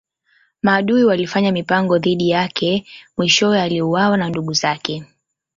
Maadui walifanya mipango dhidi yake mwishowe aliuawa na ndugu zake.